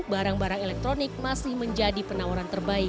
barang barang elektronik masih menjadi penawaran terbaik